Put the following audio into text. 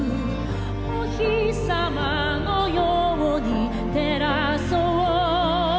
「おひさまのように照らそう」